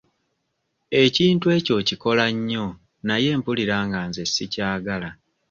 Ekintu ekyo okikola nnyo naye mpulira nga nze sikyagala.